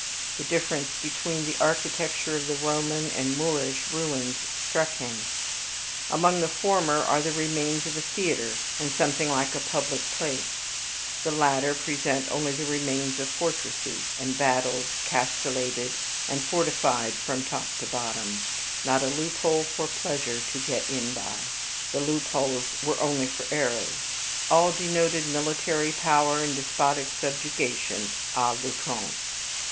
The difference between the architecture of the Roman and Moorish ruins struck him. Among the former are the remains of a theater, and something like a public place; the latter present only the remains of fortresses, embattled, castellated, and fortified from top to bottom, not a loophole for pleasure to get in by, the loopholes were only for arrows; all denoted military power and despotic subjugation a l'outrance.